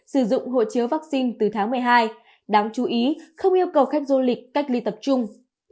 sử dụng hộ chiếu vaccine từ tháng một mươi hai đáng chú ý không yêu cầu khách du lịch cách ly tập trung